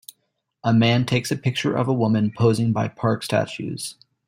A man takes a picture of a woman posing by park statues.